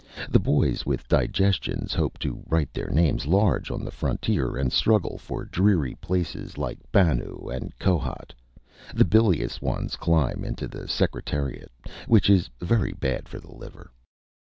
The boys with digestions hope to write their names large on the Frontier and struggle for dreary places like Bannu and Kohat. The bilious ones climb into the Secretariat. Which is very bad for the liver.